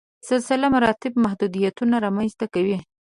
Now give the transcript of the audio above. سلسله مراتبو محدودیتونه رامنځته کوي.